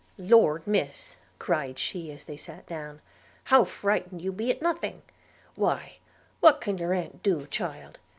'Lord, Miss,' cried she, as they sat down, 'how frightened you be at nothing! Why, what can your aunt do, child?